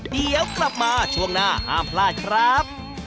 เดี๋ยวกลับมาช่วงหน้าห้ามพลาดครับ